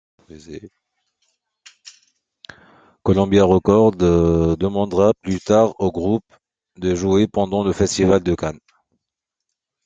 Columbia Records demandera plus tard au groupe de jouer pendant le Festival de Cannes.